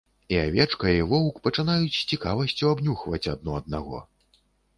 І авечка і воўк пачынаюць з цікавасцю абнюхваць адно аднаго.